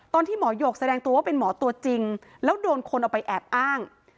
ตอนที่หมอหยกแสดงตัวว่าเป็นหมอตัวจริงแล้วโดนคนเอาไปแอบอ้าง